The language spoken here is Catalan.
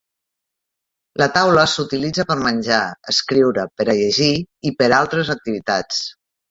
La taula s'utilitza per menjar, escriure, per a llegir i per altres activitats.